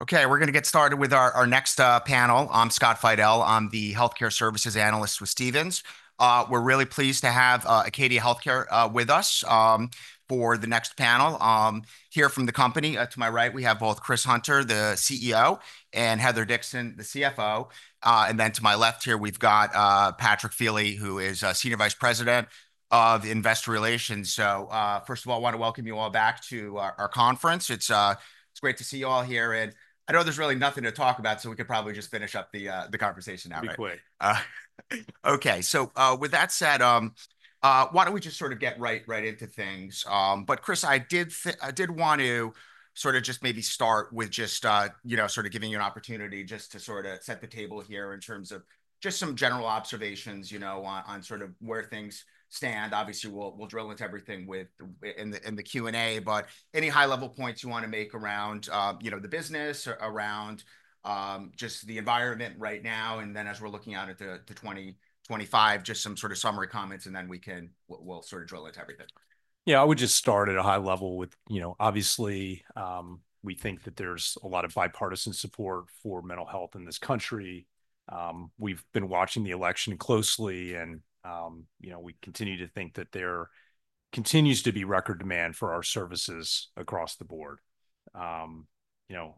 Okay, we're going to get started with our next panel. I'm Scott Fidel. I'm the Healthcare Services Analyst with Stephens. We're really pleased to have Acadia Healthcare with us for the next panel. Here from the company, to my right, we have both Chris Hunter, the CEO, and Heather Dixon, the CFO. And then to my left here, we've got Patrick Feeley, who is Senior Vice President of Investor Relations. So, first of all, I want to welcome you all back to our conference. It's great to see you all here. And I know there's really nothing to talk about, so we could probably just finish up the conversation now. Equally. Okay, so with that said, why don't we just sort of get right into things? But Chris, I did want to sort of just maybe start with just sort of giving you an opportunity just to sort of set the table here in terms of just some general observations on sort of where things stand. Obviously, we'll drill into everything in the Q&A, but any high-level points you want to make around the business, around just the environment right now, and then as we're looking out at the 2025, just some sort of summary comments, and then we'll sort of drill into everything? Yeah, I would just start at a high level with, obviously, we think that there's a lot of bipartisan support for mental health in this country. We've been watching the election closely, and we continue to think that there continues to be record demand for our services across the board.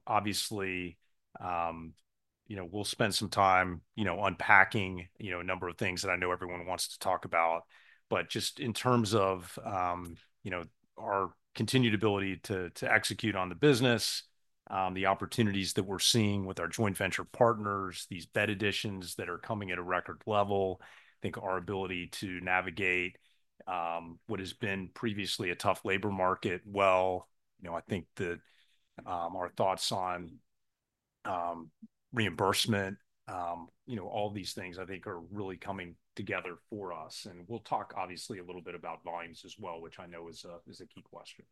Obviously, we'll spend some time unpacking a number of things that I know everyone wants to talk about, but just in terms of our continued ability to execute on the business, the opportunities that we're seeing with our joint venture partners, these bed additions that are coming at a record level, I think our ability to navigate what has been previously a tough labor market well, I think that our thoughts on reimbursement, all these things, I think, are really coming together for us. We'll talk, obviously, a little bit about volumes as well, which I know is a key question.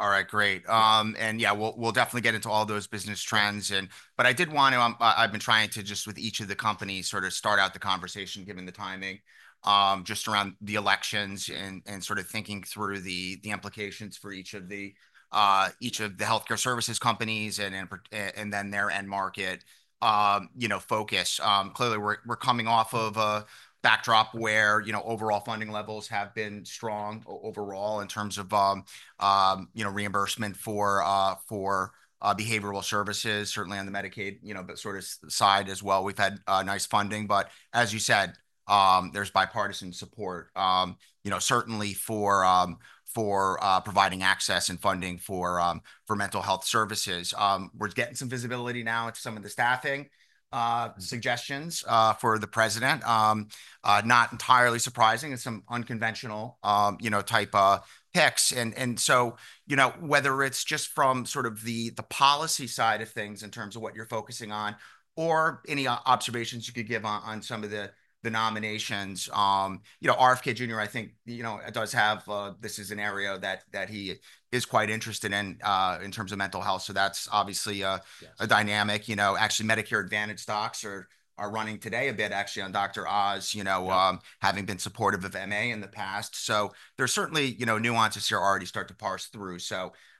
All right, great. And yeah, we'll definitely get into all those business trends. But I did want to, I've been trying to just with each of the companies sort of start out the conversation given the timing, just around the elections and sort of thinking through the implications for each of the healthcare services companies and then their end market focus. Clearly, we're coming off of a backdrop where overall funding levels have been strong overall in terms of reimbursement for behavioral services, certainly on the Medicaid sort of side as well. We've had nice funding, but as you said, there's bipartisan support, certainly for providing access and funding for mental health services. We're getting some visibility now into some of the staffing suggestions for the president. Not entirely surprising, some unconventional type picks. Whether it's just from sort of the policy side of things in terms of what you're focusing on or any observations you could give on some of the nominations, R.F.K. Jr, I think does have this is an area that he is quite interested in in terms of mental health. So that's obviously a dynamic. Actually, Medicare Advantage stocks are running today a bit actually on Dr. Oz, having been supportive of MA in the past. So there's certainly nuances here already start to parse through.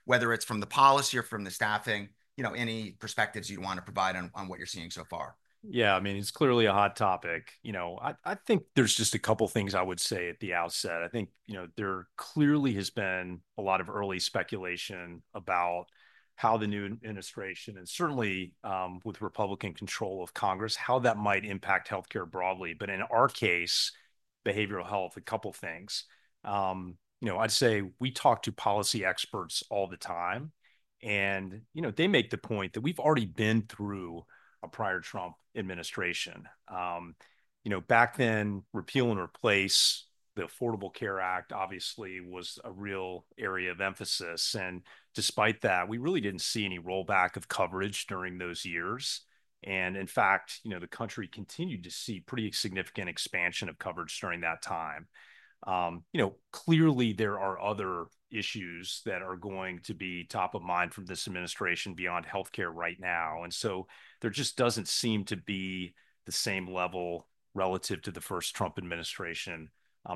Whether it's from the policy or from the staffing, any perspectives you'd want to provide on what you're seeing so far? Yeah, I mean, it's clearly a hot topic. I think there's just a couple of things I would say at the outset. I think there clearly has been a lot of early speculation about how the new administration and certainly with Republican control of Congress, how that might impact healthcare broadly. But in our case, behavioral health, a couple of things. I'd say we talk to policy experts all the time, and they make the point that we've already been through a prior Trump administration. Back then, repeal and replace the Affordable Care Act obviously was a real area of emphasis. And despite that, we really didn't see any rollback of coverage during those years. And in fact, the country continued to see pretty significant expansion of coverage during that time. Clearly, there are other issues that are going to be top of mind from this administration beyond healthcare right now, and so there just doesn't seem to be the same level relative to the first Trump administration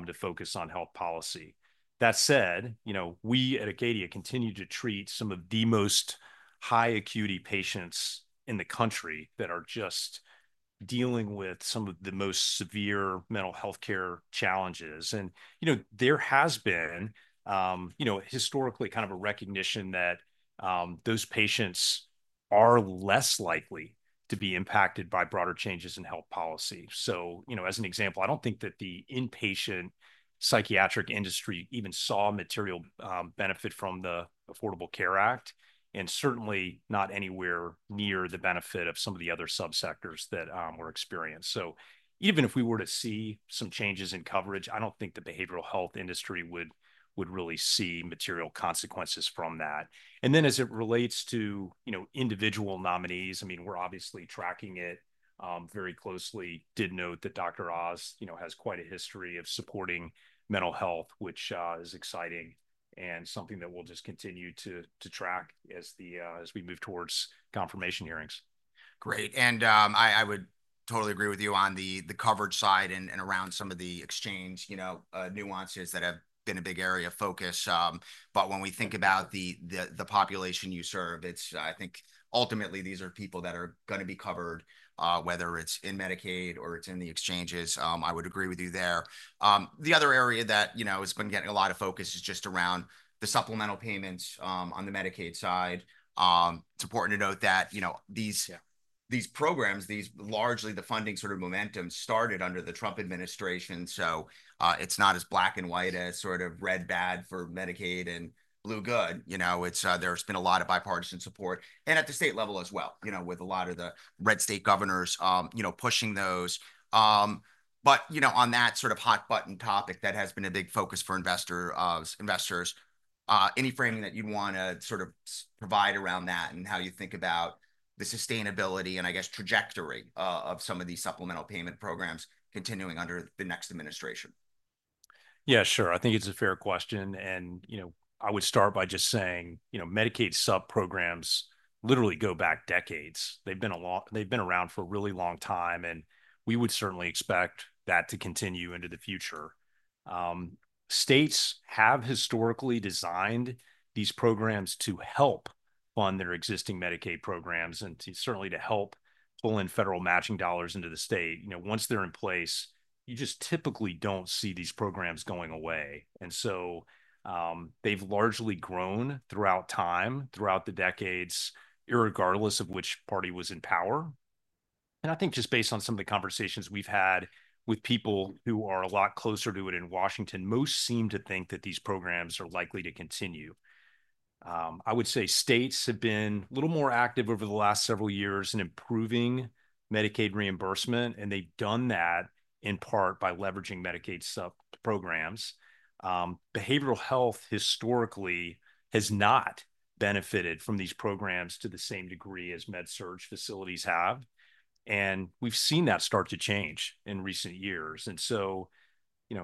to focus on health policy. That said, we at Acadia continue to treat some of the most high acuity patients in the country that are just dealing with some of the most severe mental healthcare challenges, and there has been historically kind of a recognition that those patients are less likely to be impacted by broader changes in health policy, so as an example, I don't think that the inpatient psychiatric industry even saw material benefit from the Affordable Care Act, and certainly not anywhere near the benefit of some of the other subsectors that were experienced. So even if we were to see some changes in coverage, I don't think the behavioral health industry would really see material consequences from that. And then as it relates to individual nominees, I mean, we're obviously tracking it very closely. Did note that Dr. Oz has quite a history of supporting mental health, which is exciting and something that we'll just continue to track as we move towards confirmation hearings. Great. And I would totally agree with you on the coverage side and around some of the exchange nuances that have been a big area of focus. But when we think about the population you serve, I think ultimately these are people that are going to be covered, whether it's in Medicaid or it's in the exchanges. I would agree with you there. The other area that has been getting a lot of focus is just around the supplemental payments on the Medicaid side. It's important to note that these programs, largely the funding sort of momentum started under the Trump administration. So it's not as black and white as sort of red bad for Medicaid and blue good. There's been a lot of bipartisan support and at the state level as well, with a lot of the red state governors pushing those. But on that sort of hot-button topic that has been a big focus for investors, any framing that you'd want to sort of provide around that and how you think about the sustainability and I guess trajectory of some of these supplemental payment programs continuing under the next administration? Yeah, sure. I think it's a fair question. And I would start by just saying Medicaid subprograms literally go back decades. They've been around for a really long time, and we would certainly expect that to continue into the future. States have historically designed these programs to help fund their existing Medicaid programs and certainly to help pull in federal matching dollars into the state. Once they're in place, you just typically don't see these programs going away. And so they've largely grown throughout time, throughout the decades, irregardless of which party was in power. And I think just based on some of the conversations we've had with people who are a lot closer to it in Washington, most seem to think that these programs are likely to continue. I would say states have been a little more active over the last several years in improving Medicaid reimbursement, and they've done that in part by leveraging Medicaid subprograms. Behavioral health historically has not benefited from these programs to the same degree as Med-Surg facilities have. And we've seen that start to change in recent years. And so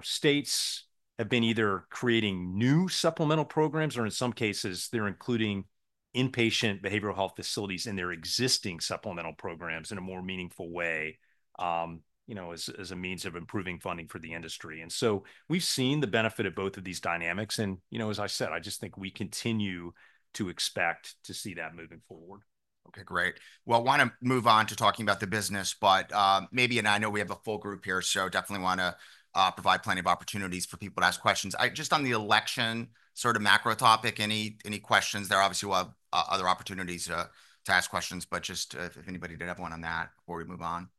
states have been either creating new supplemental programs or in some cases, they're including inpatient behavioral health facilities in their existing supplemental programs in a more meaningful way as a means of improving funding for the industry. And so we've seen the benefit of both of these dynamics. And as I said, I just think we continue to expect to see that moving forward. Okay, great. Well, I want to move on to talking about the business, but maybe, and I know we have a full group here, so definitely want to provide plenty of opportunities for people to ask questions. Just on the election sort of macro topic, any questions there? Obviously, we'll have other opportunities to ask questions, but just if anybody did have one on that before we move on.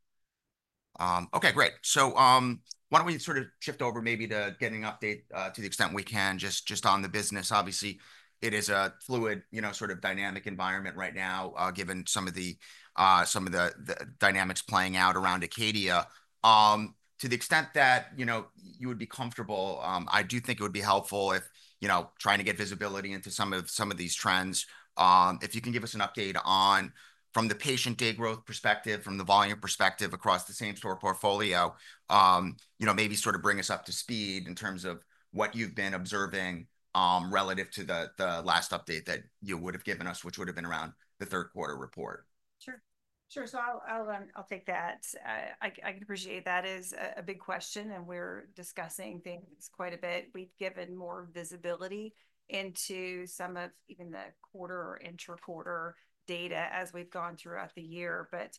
Okay, great. So why don't we sort of shift over maybe to getting an update to the extent we can just on the business obviously, it is a fluid sort of dynamic environment right now given some of the dynamics playing out around Acadia. To the extent that you would be comfortable, I do think it would be helpful if, trying to get visibility into some of these trends, you can give us an update from the patient day growth perspective, from the volume perspective across the same store portfolio, maybe sort of bring us up to speed in terms of what you've been observing relative to the last update that you would have given us, which would have been around the third quarter report. Sure. Sure. So I'll take that. I can appreciate that is a big question, and we're discussing things quite a bit. We've given more visibility into some of even the quarter or intra-quarter data as we've gone throughout the year. But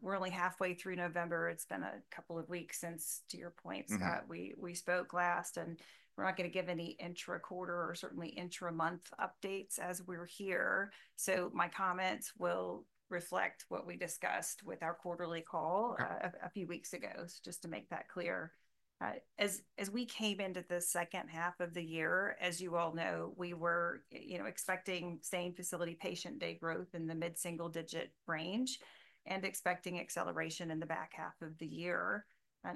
we're only halfway through November. It's been a couple of weeks since, to your point, Scott, we spoke last, and we're not going to give any intra-quarter or certainly intra-month updates as we're here. So my comments will reflect what we discussed with our quarterly call a few weeks ago, just to make that clear. As we came into the second half of the year, as you all know, we were expecting same facility patient day growth in the mid-single-digit range and expecting acceleration in the back half of the year.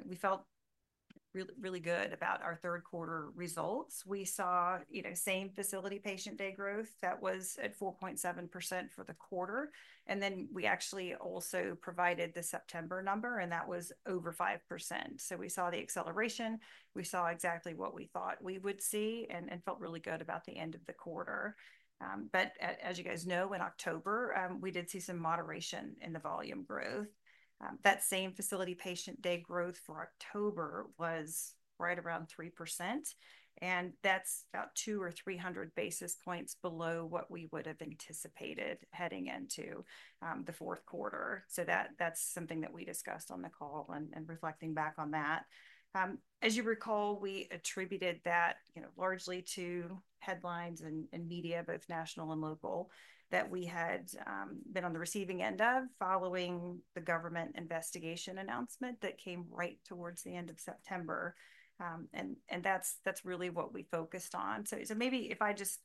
We felt really good about our third quarter results. We saw same facility patient day growth that was at 4.7% for the quarter, and then we actually also provided the September number, and that was over 5%, so we saw the acceleration. We saw exactly what we thought we would see and felt really good about the end of the quarter, but as you guys know, in October, we did see some moderation in the volume growth. That same facility patient day growth for October was right around 3%, and that's about 200 or 300 basis points below what we would have anticipated heading into the fourth quarter, so that's something that we discussed on the call and reflecting back on that. As you recall, we attributed that largely to headlines and media, both national and local, that we had been on the receiving end of following the government investigation announcement that came right toward the end of September. And that's really what we focused on. So maybe if I just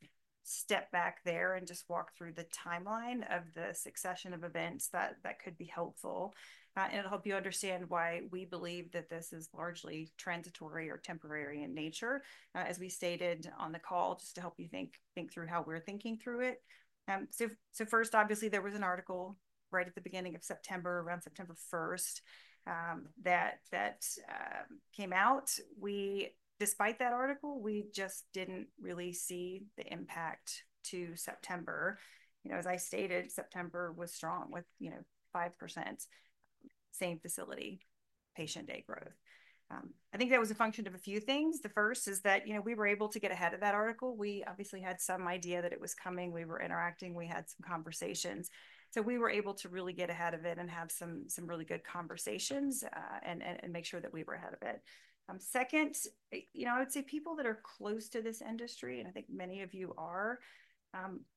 step back there and just walk through the timeline of the succession of events, that could be helpful. And it'll help you understand why we believe that this is largely transitory or temporary in nature, as we stated on the call, just to help you think through how we're thinking through it. So first, obviously, there was an article right at the beginning of September, around September 1st, that came out. Despite that article, we just didn't really see the impact to September. As I stated, September was strong with 5% same facility patient day growth. I think that was a function of a few things. The first is that we were able to get ahead of that article. We obviously had some idea that it was coming. We were interacting. We had some conversations. We were able to really get ahead of it and have some really good conversations and make sure that we were ahead of it. Second, I would say people that are close to this industry, and I think many of you are,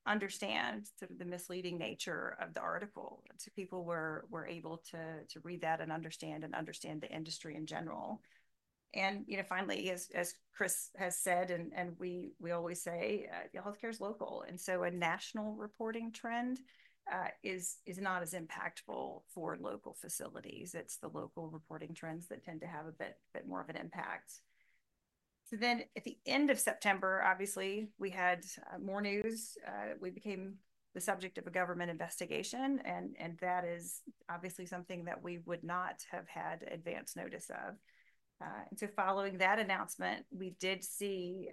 understand sort of the misleading nature of the article. So people were able to read that and understand the industry in general. And finally, as Chris has said, and we always say, healthcare is local. And so a national reporting trend is not as impactful for local facilities. It's the local reporting trends that tend to have a bit more of an impact. So then at the end of September, obviously, we had more news. We became the subject of a government investigation, and that is obviously something that we would not have had advance notice of. And so following that announcement, we did see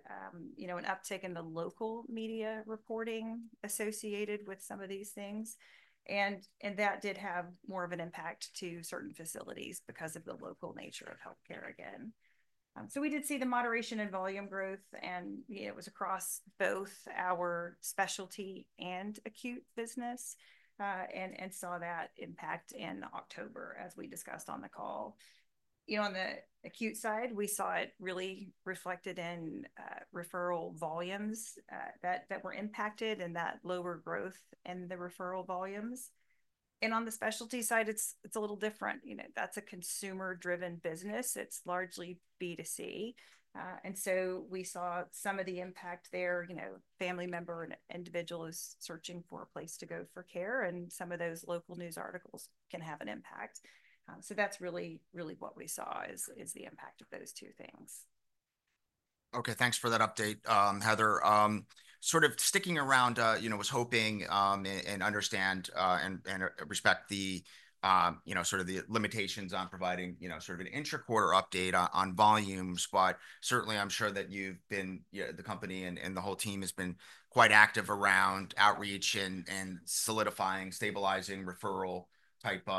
an uptick in the local media reporting associated with some of these things. And that did have more of an impact to certain facilities because of the local nature of healthcare again. So we did see the moderation in volume growth, and it was across both our specialty and acute business and saw that impact in October, as we discussed on the call. On the acute side, we saw it really reflected in referral volumes that were impacted and that lower growth in the referral volumes. And on the specialty side, it's a little different. That's a consumer-driven business. It's largely B2C. And so we saw some of the impact there. Family member and individual is searching for a place to go for care, and some of those local news articles can have an impact. So that's really what we saw is the impact of those two things. Okay, thanks for that update, Heather. Sort of sticking around, was hoping and understand and respect sort of the limitations on providing sort of an intra-quarter update on volumes, but certainly I'm sure that you've been the company and the whole team has been quite active around outreach and solidifying, stabilizing referral type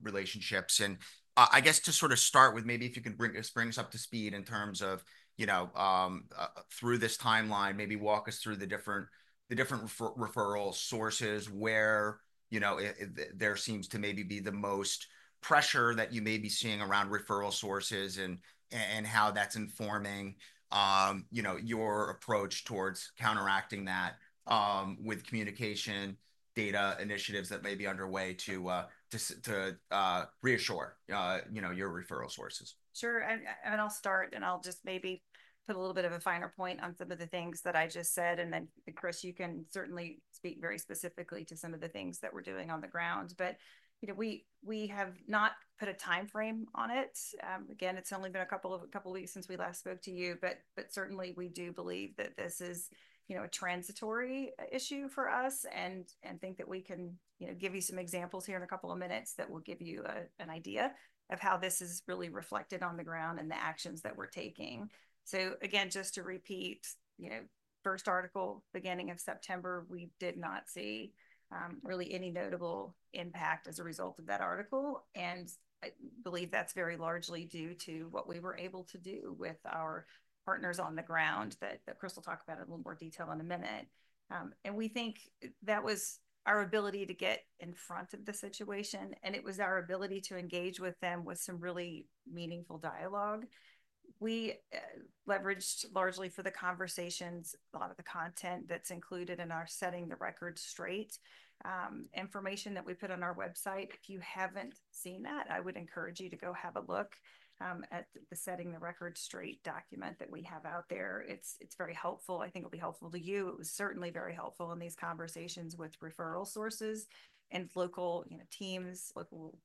relationships, and I guess to sort of start with, maybe if you can bring us up to speed in terms of through this timeline, maybe walk us through the different referral sources where there seems to maybe be the most pressure that you may be seeing around referral sources and how that's informing your approach towards counteracting that with communication data initiatives that may be underway to reassure your referral sources. Sure. And I'll start, and I'll just maybe put a little bit of a finer point on some of the things that I just said. And then, of course, you can certainly speak very specifically to some of the things that we're doing on the ground. But we have not put a timeframe on it. Again, it's only been a couple of weeks since we last spoke to you, but certainly we do believe that this is a transitory issue for us and think that we can give you some examples here in a couple of minutes that will give you an idea of how this is really reflected on the ground and the actions that we're taking. So again, just to repeat, first article, beginning of September, we did not see really any notable impact as a result of that article. I believe that's very largely due to what we were able to do with our partners on the ground that Chris will talk about in a little more detail in a minute. We think that was our ability to get in front of the situation, and it was our ability to engage with them with some really meaningful dialogue. We leveraged largely for the conversations a lot of the content that's included in our setting the record straight information that we put on our website. If you haven't seen that, I would encourage you to go have a look at the Setting the Record Straight document that we have out there. It's very helpful. I think it'll be helpful to you. It was certainly very helpful in these conversations with referral sources and local teams, local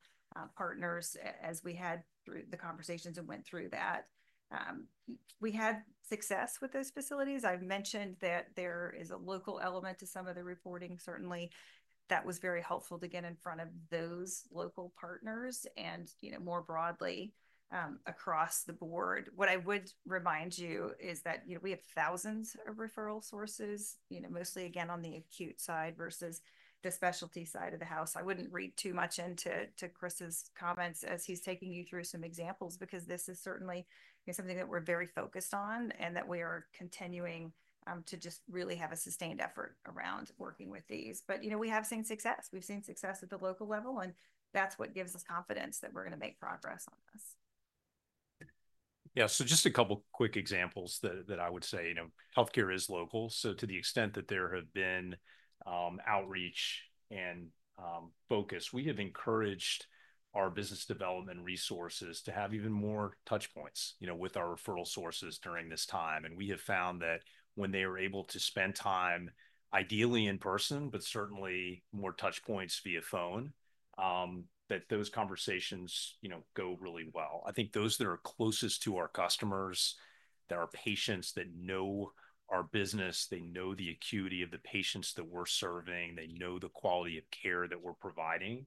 partners as we had through the conversations and went through that. We had success with those facilities. I've mentioned that there is a local element to some of the reporting. Certainly, that was very helpful to get in front of those local partners and more broadly across the board. What I would remind you is that we have thousands of referral sources, mostly again on the acute side versus the specialty side of the house. I wouldn't read too much into Chris' comments as he's taking you through some examples because this is certainly something that we're very focused on and that we are continuing to just really have a sustained effort around working with these. But we have seen success. We've seen success at the local level, and that's what gives us confidence that we're going to make progress on this. Yeah, so just a couple of quick examples that I would say. Healthcare is local, so to the extent that there have been outreach and focus, we have encouraged our business development resources to have even more touchpoints with our referral sources during this time. And we have found that when they are able to spend time ideally in person, but certainly more touchpoints via phone, that those conversations go really well. I think those that are closest to our customers, that are patients that know our business, they know the acuity of the patients that we're serving, they know the quality of care that we're providing,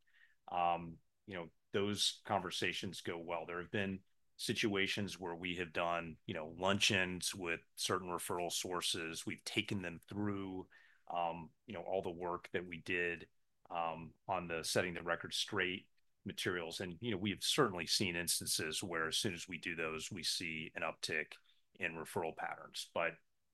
those conversations go well. There have been situations where we have done luncheons with certain referral sources. We've taken them through all the work that we did on the setting the record straight materials. We have certainly seen instances where as soon as we do those, we see an uptick in referral patterns.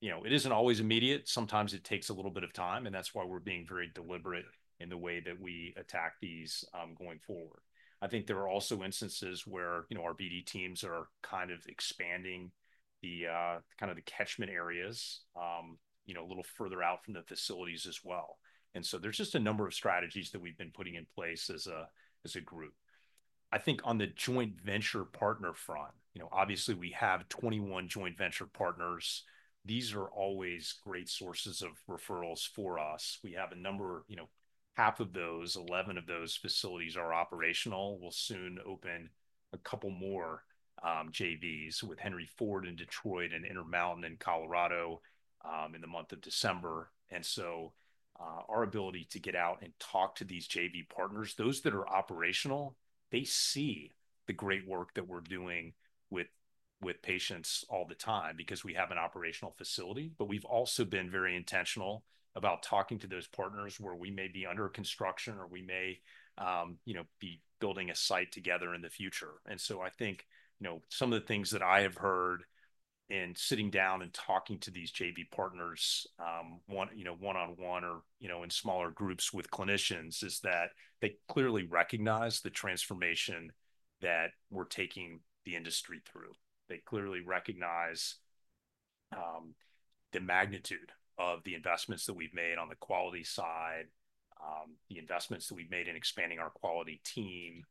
It isn't always immediate. Sometimes it takes a little bit of time, and that's why we're being very deliberate in the way that we attack these going forward. I think there are also instances where our BD teams are kind of expanding kind of the catchment areas a little further out from the facilities as well. So there's just a number of strategies that we've been putting in place as a group. I think on the joint venture partner front, obviously we have 21 joint venture partners. These are always great sources of referrals for us. We have a number. Half of those, 11 of those facilities are operational. We'll soon open a couple more JVs with Henry Ford in Detroit and Intermountain in Colorado in the month of December. And so our ability to get out and talk to these JV partners, those that are operational, they see the great work that we're doing with patients all the time because we have an operational facility, but we've also been very intentional about talking to those partners where we may be under construction or we may be building a site together in the future. And so I think some of the things that I have heard in sitting down and talking to these JV partners one-on-one or in smaller groups with clinicians is that they clearly recognize the transformation that we're taking the industry through. They clearly recognize the magnitude of the investments that we've made on the quality side, the investments that we've made in expanding our quality team.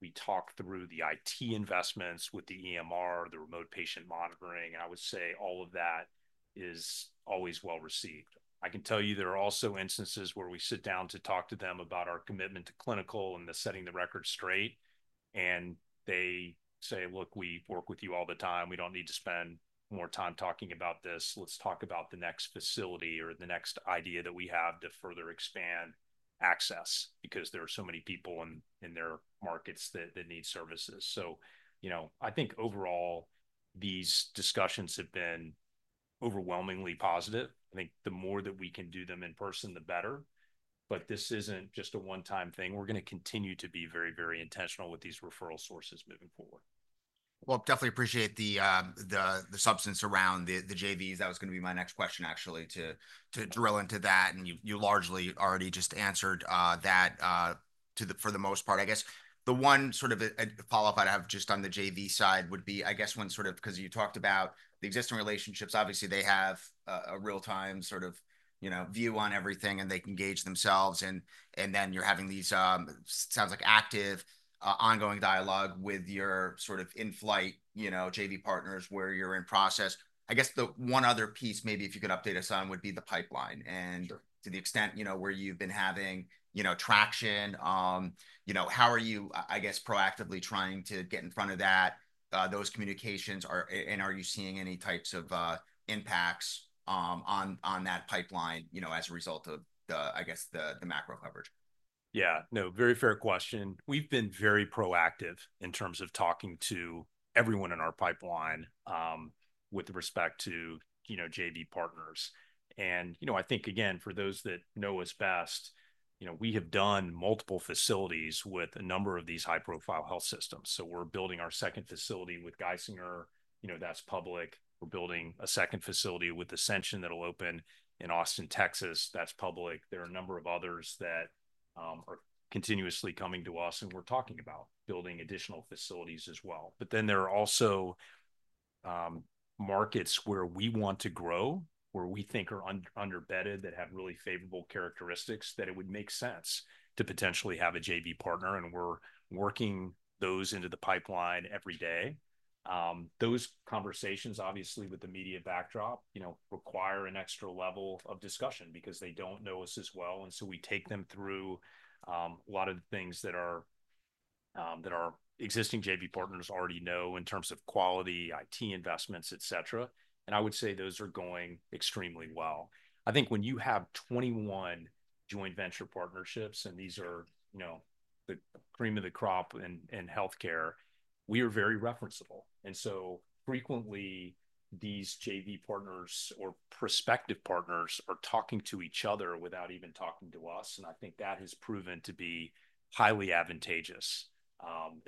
We talked through the IT investments with the EMR, the remote patient monitoring. I would say all of that is always well received. I can tell you there are also instances where we sit down to talk to them about our commitment to clinical and the setting the record straight. And they say, "Look, we work with you all the time. We don't need to spend more time talking about this. Let's talk about the next facility or the next idea that we have to further expand access because there are so many people in their markets that need services." So I think overall, these discussions have been overwhelmingly positive. I think the more that we can do them in person, the better. But this isn't just a one-time thing. We're going to continue to be very, very intentional with these referral sources moving forward. Definitely appreciate the substance around the JVs. That was going to be my next question, actually, to drill into that. You largely already just answered that for the most part. I guess the one sort of follow-up I'd have just on the JV side would be, I guess, when sort of because you talked about the existing relationships, obviously they have a real-time sort of view on everything and they can engage themselves. You're having these, sounds like, active, ongoing dialogue with your sort of in-flight JV partners where you're in process. I guess the one other piece, maybe if you could update us on, would be the pipeline. And to the extent where you've been having traction, how are you, I guess, proactively trying to get in front of that, those communications, and are you seeing any types of impacts on that pipeline as a result of, I guess, the macro coverage? Yeah. No, very fair question. We've been very proactive in terms of talking to everyone in our pipeline with respect to JV partners. And I think, again, for those that know us best, we have done multiple facilities with a number of these high-profile health systems. So we're building our second facility with Geisinger. That's public. We're building a second facility with Ascension that'll open in Austin, Texas. That's public. There are a number of others that are continuously coming to us, and we're talking about building additional facilities as well. But then there are also markets where we want to grow, where we think are under-bedded, that have really favorable characteristics, that it would make sense to potentially have a JV partner. And we're working those into the pipeline every day. Those conversations, obviously, with the media backdrop require an extra level of discussion because they don't know us as well. And so we take them through a lot of the things that our existing JV partners already know in terms of quality, IT investments, etc. And I would say those are going extremely well. I think when you have 21 joint venture partnerships, and these are the cream of the crop in healthcare, we are very referenceable. And so frequently, these JV partners or prospective partners are talking to each other without even talking to us. And I think that has proven to be highly advantageous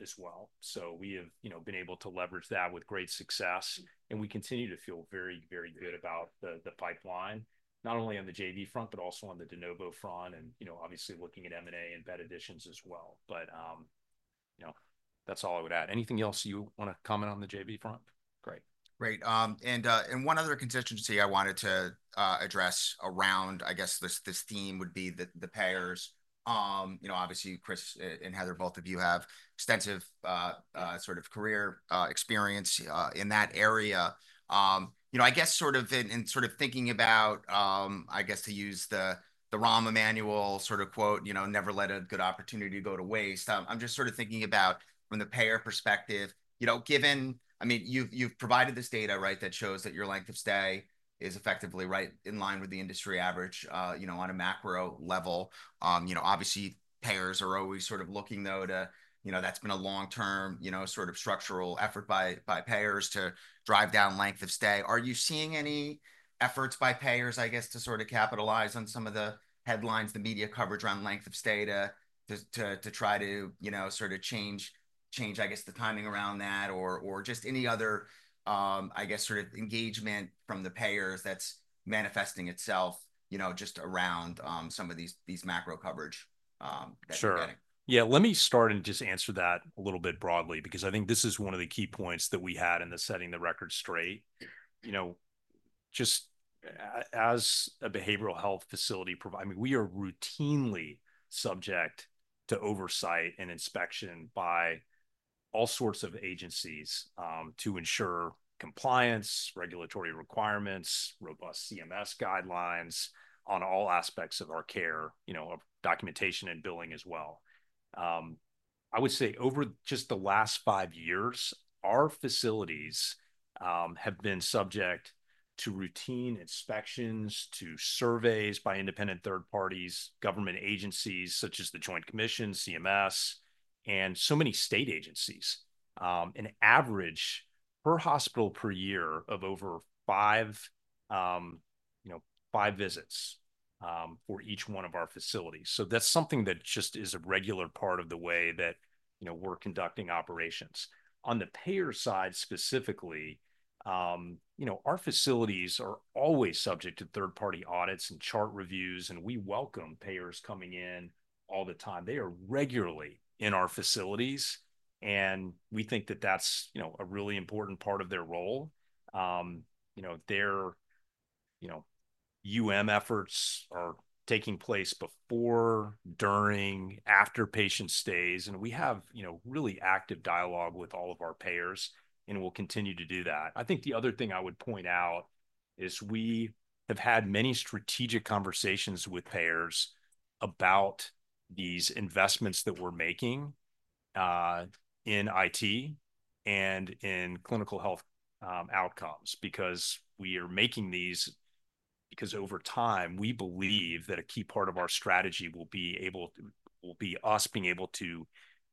as well. So we have been able to leverage that with great success. And we continue to feel very, very good about the pipeline, not only on the JV front, but also on the De Novo front and obviously looking at M&A and bed additions as well. But that's all I would add. Anything else you want to comment on the JV front? Great. Great. And one other contingency I wanted to address around, I guess, this theme would be the payers. Obviously, Chris and Heather, both of you have extensive sort of career experience in that area. I guess sort of in sort of thinking about, I guess, to use the Rahm Emanuel sort of quote, "Never let a good opportunity go to waste." I'm just sort of thinking about from the payer perspective, given, I mean, you've provided this data, right, that shows that your length of stay is effectively right in line with the industry average on a macro level. Obviously, payers are always sort of looking, though, to. That's been a long-term sort of structural effort by payers to drive down length of stay. Are you seeing any efforts by payers, I guess, to sort of capitalize on some of the headlines, the media coverage around length of stay to try to sort of change, I guess, the timing around that or just any other, I guess, sort of engagement from the payers that's manifesting itself just around some of these macro coverage? Sure. Yeah. Let me start and just answer that a little bit broadly because I think this is one of the key points that we had in the setting the record straight. Just as a behavioral health facility, I mean, we are routinely subject to oversight and inspection by all sorts of agencies to ensure compliance, regulatory requirements, robust CMS guidelines on all aspects of our care, documentation, and billing as well. I would say over just the last five years, our facilities have been subject to routine inspections, to surveys by independent third parties, government agencies such as the Joint Commission, CMS, and so many state agencies. An average per hospital per year of over five visits for each one of our facilities. So that's something that just is a regular part of the way that we're conducting operations. On the payer side specifically, our facilities are always subject to third-party audits and chart reviews, and we welcome payers coming in all the time. They are regularly in our facilities, and we think that that's a really important part of their role. Their efforts are taking place before, during, after patient stays, and we have really active dialogue with all of our payers, and we'll continue to do that. I think the other thing I would point out is we have had many strategic conversations with payers about these investments that we're making in IT and in clinical health outcomes because we are making these over time, we believe that a key part of our strategy will be us being able to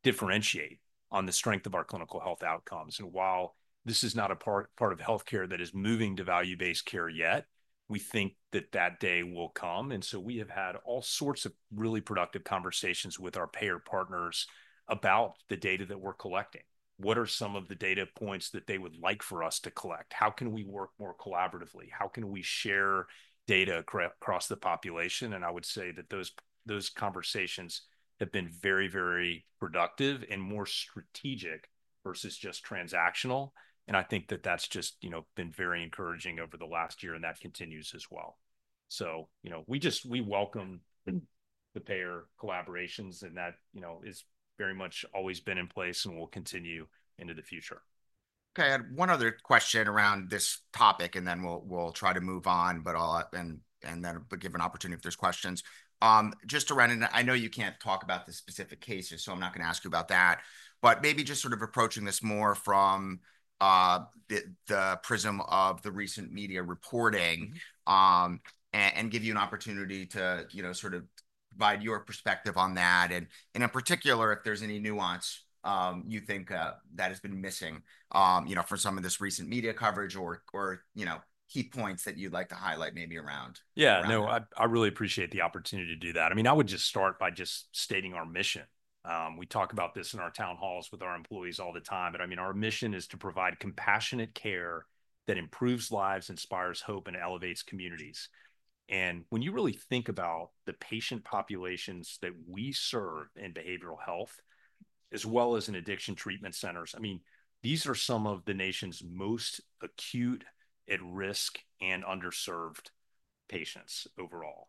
differentiate on the strength of our clinical health outcomes. While this is not a part of healthcare that is moving to value-based care yet, we think that that day will come. We have had all sorts of really productive conversations with our payer partners about the data that we're collecting. What are some of the data points that they would like for us to collect? How can we work more collaboratively? How can we share data across the population? I would say that those conversations have been very, very productive and more strategic versus just transactional. I think that that's just been very encouraging over the last year, and that continues as well. We welcome the payer collaborations, and that has very much always been in place and will continue into the future. Okay. I had one other question around this topic, and then we'll try to move on, but I'll give an opportunity if there's questions. Just to jump in, I know you can't talk about the specific cases, so I'm not going to ask you about that. But maybe just sort of approaching this more from the prism of the recent media reporting and give you an opportunity to sort of provide your perspective on that. And in particular, if there's any nuance you think that has been missing for some of this recent media coverage or key points that you'd like to highlight maybe around. Yeah. No, I really appreciate the opportunity to do that. I mean, I would just start by just stating our mission. We talk about this in our town halls with our employees all the time, but I mean, our mission is to provide compassionate care that improves lives, inspires hope, and elevates communities, and when you really think about the patient populations that we serve in behavioral health as well as in addiction treatment centers, I mean, these are some of the nation's most acute, at-risk, and underserved patients overall.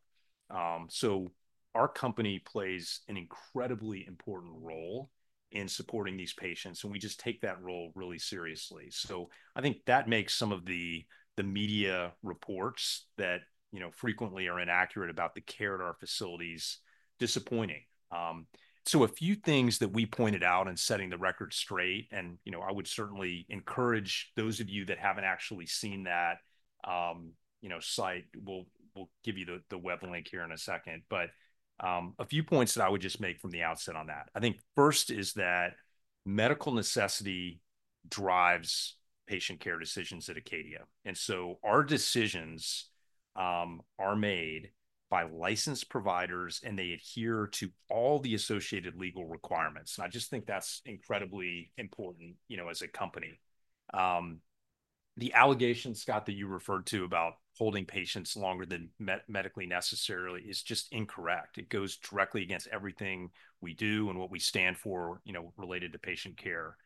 So our company plays an incredibly important role in supporting these patients, and we just take that role really seriously, so I think that makes some of the media reports that frequently are inaccurate about the care at our facilities disappointing. So a few things that we pointed out in setting the record straight, and I would certainly encourage those of you that haven't actually seen that site. Will give you the web link here in a second. But a few points that I would just make from the outset on that. I think first is that medical necessity drives patient care decisions at Acadia. And so our decisions are made by licensed providers, and they adhere to all the associated legal requirements. And I just think that's incredibly important as a company. The allegations, Scott, that you referred to about holding patients longer than medically necessary is just incorrect. It goes directly against everything we do and what we stand for related to patient care.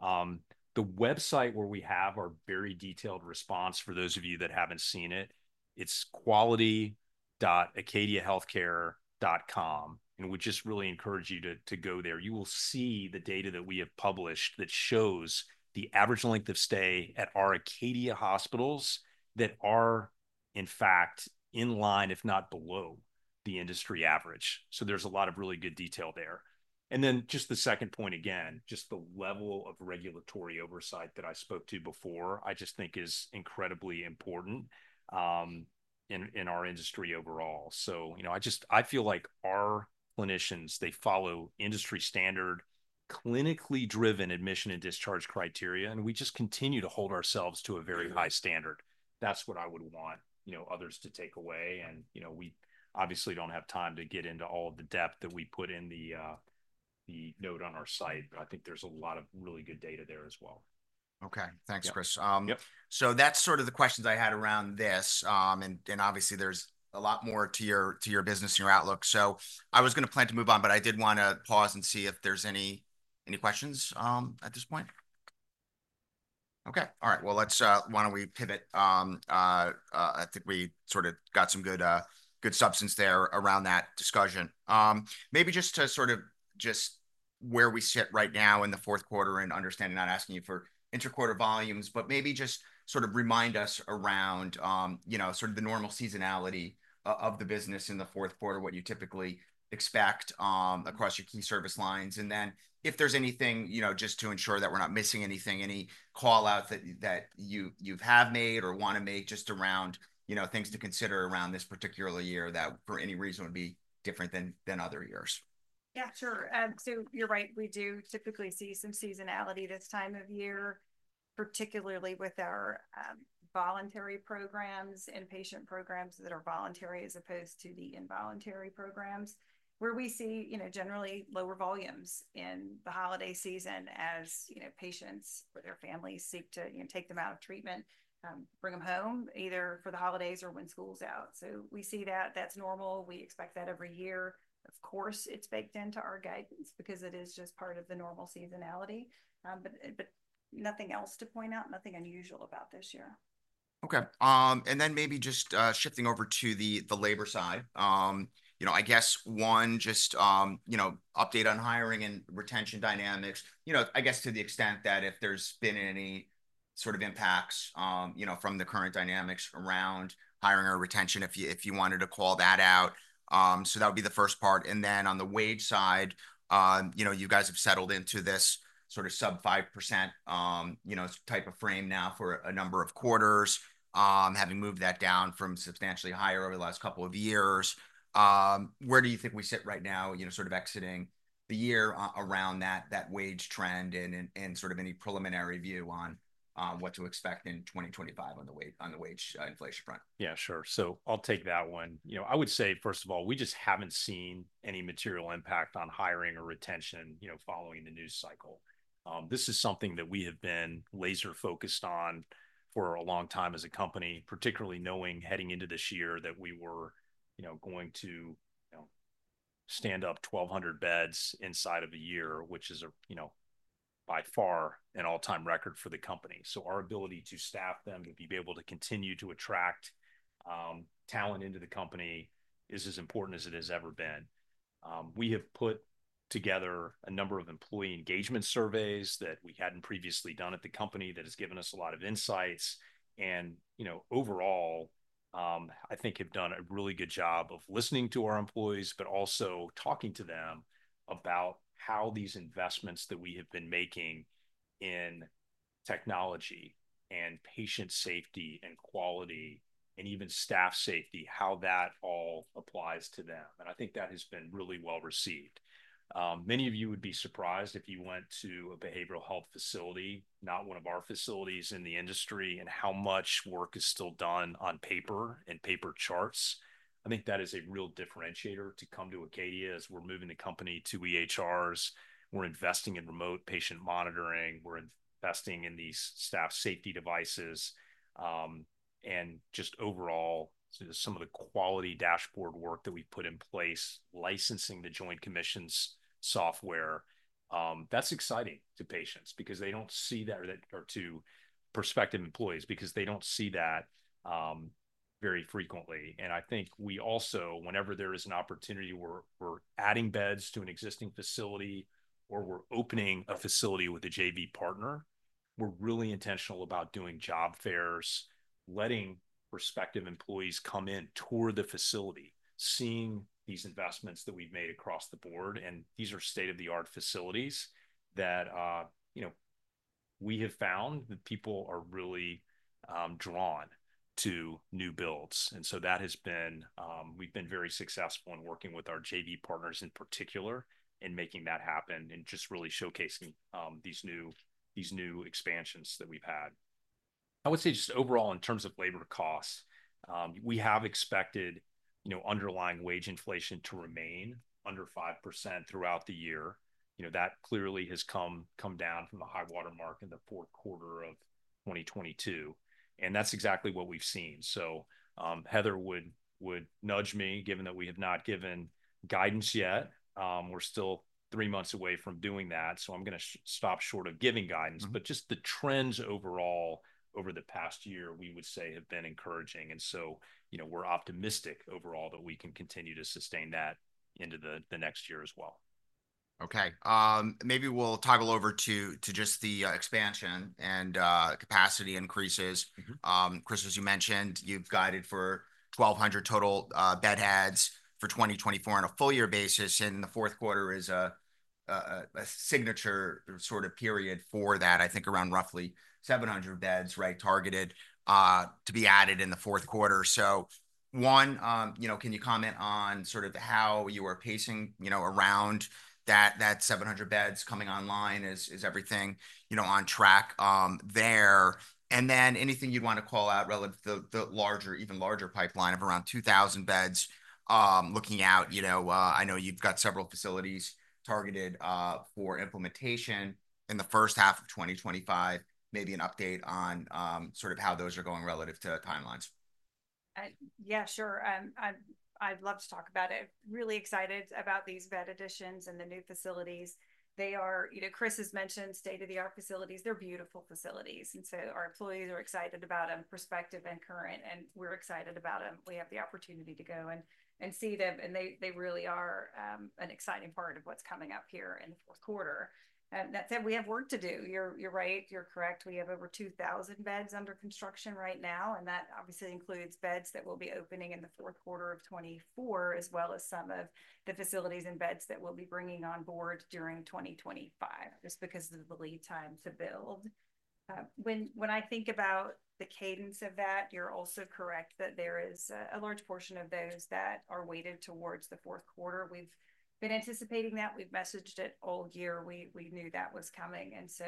The website where we have our very detailed response for those of you that haven't seen it, it's quality.acadiahealthcare.com. And we just really encourage you to go there. You will see the data that we have published that shows the average length of stay at our Acadia hospitals that are, in fact, in line, if not below, the industry average. So there's a lot of really good detail there. And then just the second point again, just the level of regulatory oversight that I spoke to before, I just think is incredibly important in our industry overall. So I feel like our clinicians, they follow industry-standard clinically-driven admission and discharge criteria, and we just continue to hold ourselves to a very high standard. That's what I would want others to take away. And we obviously don't have time to get into all of the depth that we put in the note on our site, but I think there's a lot of really good data there as well. Okay. Thanks, Chris. So that's sort of the questions I had around this. And obviously, there's a lot more to your business and your outlook. So I was going to plan to move on, but I did want to pause and see if there's any questions at this point. Okay. All right. Well, why don't we pivot? I think we sort of got some good substance there around that discussion. Maybe just to sort of where we sit right now in the fourth quarter and understanding not asking you for interquarter volumes, but maybe just sort of remind us around sort of the normal seasonality of the business in the fourth quarter, what you typically expect across your key service lines. And then, if there's anything just to ensure that we're not missing anything, any callouts that you have made or want to make just around things to consider around this particular year that for any reason would be different than other years. Yeah, sure. So you're right. We do typically see some seasonality this time of year, particularly with our voluntary programs and patient programs that are voluntary as opposed to the involuntary programs, where we see generally lower volumes in the holiday season as patients or their families seek to take them out of treatment, bring them home either for the holidays or when school's out. So we see that. That's normal. We expect that every year. Of course, it's baked into our guidance because it is just part of the normal seasonality, but nothing else to point out, nothing unusual about this year. Okay. And then maybe just shifting over to the labor side, I guess one just update on hiring and retention dynamics, I guess to the extent that if there's been any sort of impacts from the current dynamics around hiring or retention, if you wanted to call that out. So that would be the first part. And then on the wage side, you guys have settled into this sort of sub-5% type of frame now for a number of quarters, having moved that down from substantially higher over the last couple of years. Where do you think we sit right now sort of exiting the year around that wage trend and sort of any preliminary view on what to expect in 2025 on the wage inflation front? Yeah, sure. So I'll take that one. I would say, first of all, we just haven't seen any material impact on hiring or retention following the news cycle. This is something that we have been laser-focused on for a long time as a company, particularly knowing heading into this year that we were going to stand up 1,200 beds inside of a year, which is by far an all-time record for the company. So our ability to staff them, to be able to continue to attract talent into the company is as important as it has ever been. We have put together a number of employee engagement surveys that we hadn't previously done at the company that has given us a lot of insights. Overall, I think we have done a really good job of listening to our employees, but also talking to them about how these investments that we have been making in technology and patient safety and quality and even staff safety, how that all applies to them. I think that has been really well received. Many of you would be surprised if you went to a behavioral health facility, not one of our facilities in the industry, and how much work is still done on paper and paper charts. I think that is a real differentiator to come to Acadia as we're moving the company to EHRs. We're investing in remote patient monitoring. We're investing in these staff safety devices. And just overall, some of the quality dashboard work that we put in place, licensing the Joint Commission's software, that's exciting to patients because they don't see that or to prospective employees because they don't see that very frequently. And I think we also, whenever there is an opportunity, we're adding beds to an existing facility or we're opening a facility with a JV partner. We're really intentional about doing job fairs, letting prospective employees come in, tour the facility, seeing these investments that we've made across the board. And these are state-of-the-art facilities that we have found that people are really drawn to new builds. And so that has been we've been very successful in working with our JV partners in particular in making that happen and just really showcasing these new expansions that we've had. I would say just overall, in terms of labor costs, we have expected underlying wage inflation to remain under 5% throughout the year. That clearly has come down from the high watermark in the fourth quarter of 2022, and that's exactly what we've seen, so Heather would nudge me, given that we have not given guidance yet. We're still three months away from doing that, so I'm going to stop short of giving guidance, but just the trends overall over the past year, we would say have been encouraging, and so we're optimistic overall that we can continue to sustain that into the next year as well. Okay. Maybe we'll toggle over to just the expansion and capacity increases. Chris, as you mentioned, you've guided for 1,200 total beds for 2024 on a full-year basis, and the fourth quarter is a signature sort of period for that. I think around roughly 700 beds, right, targeted to be added in the fourth quarter, so one, can you comment on sort of how you are pacing around that 700 beds coming online? Is everything on track there, and then anything you'd want to call out relative to the even larger pipeline of around 2,000 beds looking out? I know you've got several facilities targeted for implementation in the first half of 2025. Maybe an update on sort of how those are going relative to timelines. Yeah, sure. I'd love to talk about it. Really excited about these bed additions and the new facilities. They are, Chris has mentioned, state-of-the-art facilities. They're beautiful facilities. And so our employees are excited about them, prospective and current, and we're excited about them. We have the opportunity to go and see them. And they really are an exciting part of what's coming up here in the fourth quarter. And that said, we have work to do. You're right. You're correct. We have over 2,000 beds under construction right now. And that obviously includes beds that will be opening in the fourth quarter of 2024, as well as some of the facilities and beds that we'll be bringing on board during 2025 just because of the lead time to build. When I think about the cadence of that, you're also correct that there is a large portion of those that are weighted towards the fourth quarter. We've been anticipating that. We've messaged it all year. We knew that was coming. And so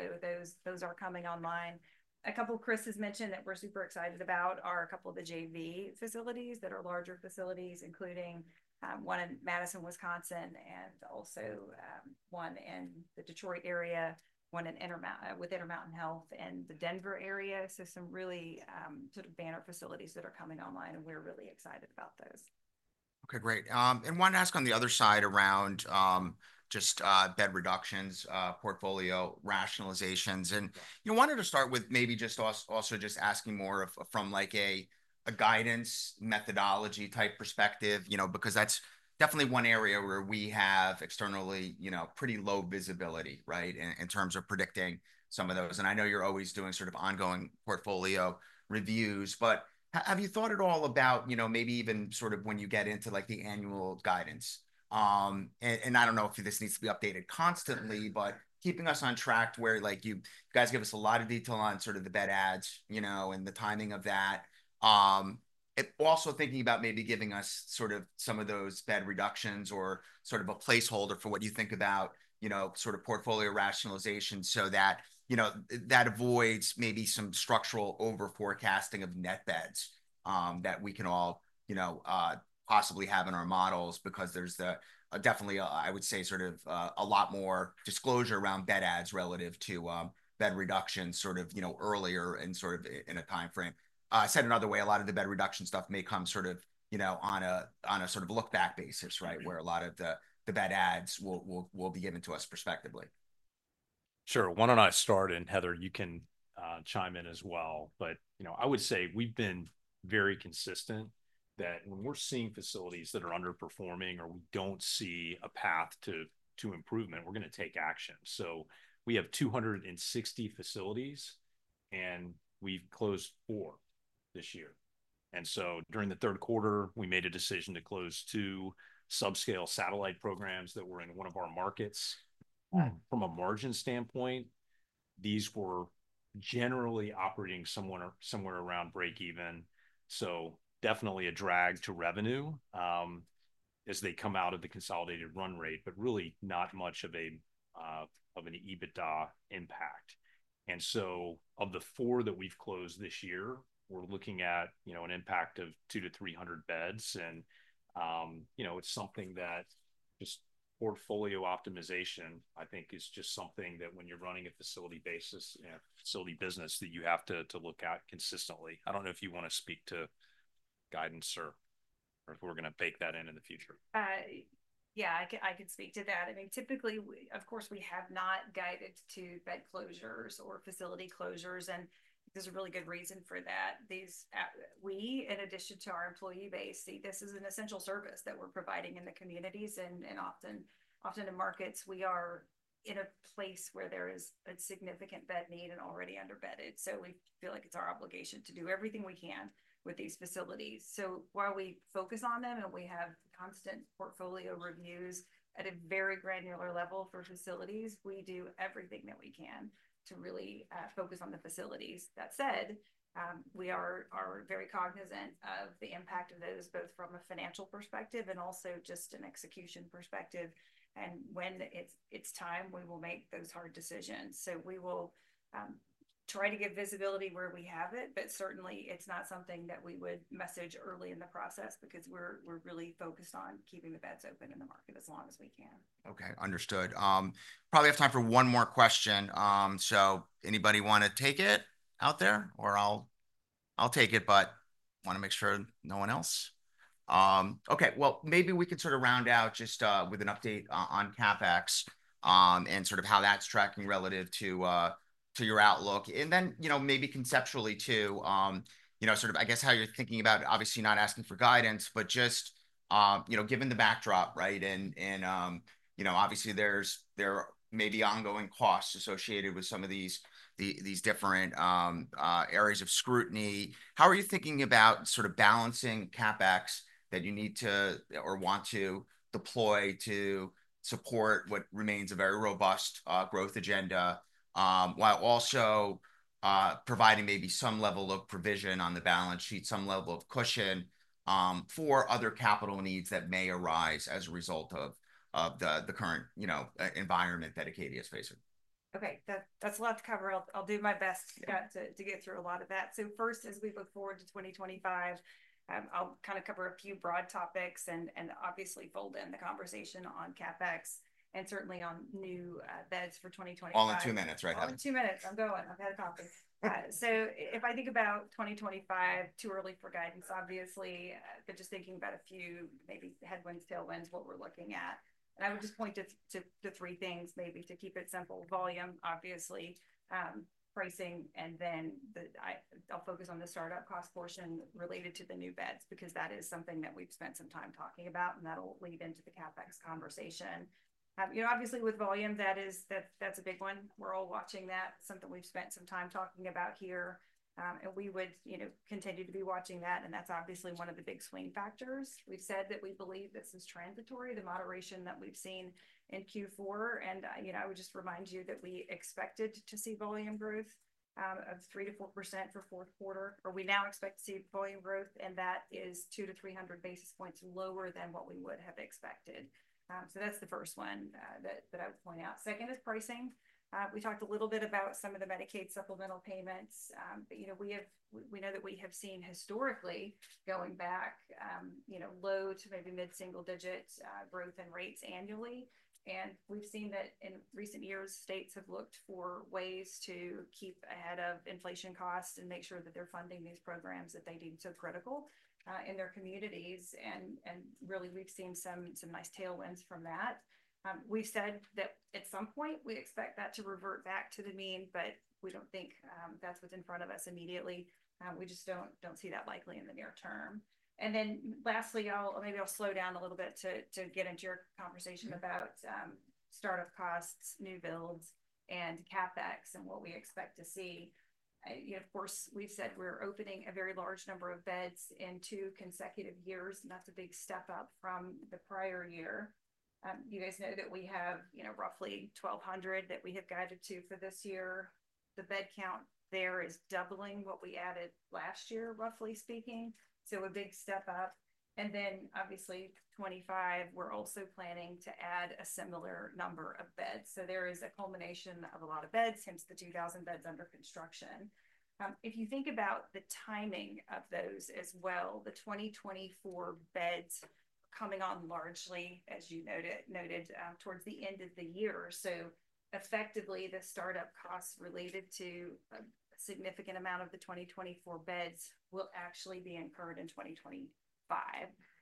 those are coming online. A couple, Chris has mentioned that we're super excited about are a couple of the JV facilities that are larger facilities, including one in Madison, Wisconsin, and also one in the Detroit area, one with Intermountain Health in the Denver area. So some really sort of banner facilities that are coming online, and we're really excited about those. Okay, great. And I wanted to ask on the other side around just bed reductions, portfolio rationalizations. And I wanted to start with maybe just also asking more from a guidance methodology type perspective because that's definitely one area where we have externally pretty low visibility, right, in terms of predicting some of those. And I know you're always doing sort of ongoing portfolio reviews, but have you thought at all about maybe even sort of when you get into the annual guidance? And I don't know if this needs to be updated constantly, but keeping us on track where you guys give us a lot of detail on sort of the bed adds and the timing of that. Also thinking about maybe giving us sort of some of those bed reductions or sort of a placeholder for what you think about sort of portfolio rationalization so that that avoids maybe some structural overforecasting of net beds that we can all possibly have in our models because there's definitely, I would say, sort of a lot more disclosure around bed adds relative to bed reductions sort of earlier and sort of in a timeframe. Said another way, a lot of the bed reduction stuff may come sort of on a sort of look-back basis, right, where a lot of the bed adds will be given to us prospectively. Sure. Why don't I start? And Heather, you can chime in as well. But I would say we've been very consistent that when we're seeing facilities that are underperforming or we don't see a path to improvement, we're going to take action. So we have 260 facilities, and we've closed four this year. And so during the third quarter, we made a decision to close two subscale satellite programs that were in one of our markets. From a margin standpoint, these were generally operating somewhere around break-even. So definitely a drag to revenue as they come out of the consolidated run rate, but really not much of an EBITDA impact. And so of the four that we've closed this year, we're looking at an impact of 200 to 300 beds. It's something that just portfolio optimization, I think, is just something that when you're running a facility business, that you have to look at consistently. I don't know if you want to speak to guidance or if we're going to bake that in the future. Yeah, I can speak to that. I mean, typically, of course, we have not guided to bed closures or facility closures. And there's a really good reason for that. We, in addition to our employee base, see this as an essential service that we're providing in the communities. And often in markets, we are in a place where there is a significant bed need and already underbedded. So we feel like it's our obligation to do everything we can with these facilities. So while we focus on them and we have constant portfolio reviews at a very granular level for facilities, we do everything that we can to really focus on the facilities. That said, we are very cognizant of the impact of those, both from a financial perspective and also just an execution perspective. And when it's time, we will make those hard decisions. So we will try to give visibility where we have it, but certainly, it's not something that we would message early in the process because we're really focused on keeping the beds open in the market as long as we can. Okay, understood. Probably have time for one more question. So anybody want to take it out there? Or I'll take it, but want to make sure no one else. Okay. Well, maybe we could sort of round out just with an update on CapEx and sort of how that's tracking relative to your outlook. And then maybe conceptually too, sort of I guess how you're thinking about obviously not asking for guidance, but just given the backdrop, right? And obviously, there may be ongoing costs associated with some of these different areas of scrutiny. How are you thinking about sort of balancing CapEx that you need to or want to deploy to support what remains a very robust growth agenda while also providing maybe some level of provision on the balance sheet, some level of cushion for other capital needs that may arise as a result of the current environment that Acadia is facing? Okay. That's a lot to cover. I'll do my best to get through a lot of that. So first, as we look forward to 2025, I'll kind of cover a few broad topics and obviously fold in the conversation on CapEx and certainly on new beds for 2025. All in two minutes, right? All in two minutes. I'm going. I've had coffee, so if I think about 2025, too early for guidance, obviously, but just thinking about a few maybe headwinds, tailwinds, what we're looking at, and I would just point to three things maybe to keep it simple. Volume, obviously, pricing, and then I'll focus on the startup cost portion related to the new beds because that is something that we've spent some time talking about, and that'll lead into the CapEx conversation. Obviously, with volume, that's a big one. We're all watching that. Something we've spent some time talking about here, and we would continue to be watching that, and that's obviously one of the big swing factors. We've said that we believe this is transitory, the moderation that we've seen in Q4. And I would just remind you that we expected to see volume growth of 3%-4% for fourth quarter, or we now expect to see volume growth, and that is 2 to 300 basis points lower than what we would have expected. So that's the first one that I would point out. Second is pricing. We talked a little bit about some of the Medicaid supplemental payments. We know that we have seen historically going back low to maybe mid-single-digit growth in rates annually. And we've seen that in recent years, states have looked for ways to keep ahead of inflation costs and make sure that they're funding these programs that they deem so critical in their communities. And really, we've seen some nice tailwinds from that. We've said that at some point, we expect that to revert back to the mean, but we don't think that's what's in front of us immediately. We just don't see that likely in the near term. And then lastly, maybe I'll slow down a little bit to get into your conversation about startup costs, new builds, and CapEx and what we expect to see. Of course, we've said we're opening a very large number of beds in two consecutive years, and that's a big step up from the prior year. You guys know that we have roughly 1,200 that we have guided to for this year. The bed count there is doubling what we added last year, roughly speaking. So a big step up. And then obviously, 2025, we're also planning to add a similar number of beds. So there is a culmination of a lot of beds since the 2,000 beds under construction. If you think about the timing of those as well, the 2024 beds are coming on largely, as you noted, towards the end of the year. So effectively, the startup costs related to a significant amount of the 2024 beds will actually be incurred in 2025.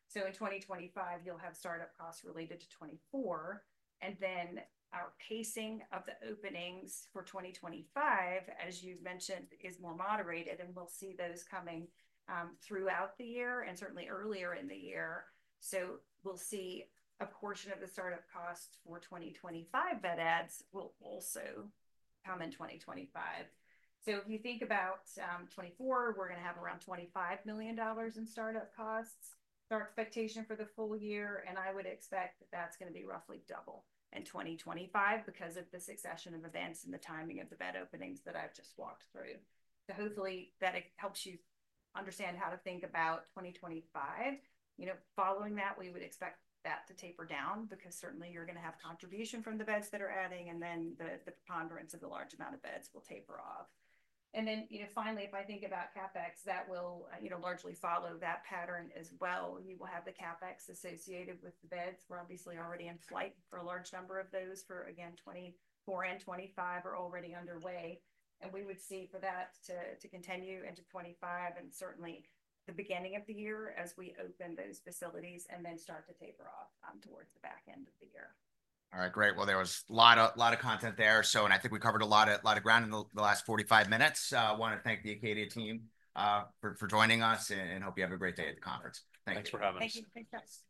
So in 2025, you'll have startup costs related to 2024. And then our pacing of the openings for 2025, as you've mentioned, is more moderated, and we'll see those coming throughout the year and certainly earlier in the year. So we'll see a portion of the startup costs for 2025 bed adds will also come in 2025. So if you think about 2024, we're going to have around $25 million in startup costs for expectation for the full year. I would expect that that's going to be roughly double in 2025 because of the succession of events and the timing of the bed openings that I've just walked through, so hopefully that helps you understand how to think about 2025. Following that, we would expect that to taper down because certainly, you're going to have contribution from the beds that are adding, and then the preponderance of the large amount of beds will taper off. Then finally, if I think about CapEx, that will largely follow that pattern as well. You will have the CapEx associated with the beds. We're obviously already in flight for a large number of those for, again, 2024 and 2025 are already underway. And we would see for that to continue into 2025 and certainly the beginning of the year as we open those facilities and then start to taper off towards the back end of the year. All right, great. Well, there was a lot of content there. And I think we covered a lot of ground in the last 45 minutes. I want to thank the Acadia team for joining us and hope you have a great day at the conference. Thank you. Thanks for having us. Thank you. Thanks, guys.